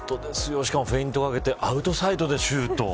しかもフェイントをかけてアウトサイドでシュート。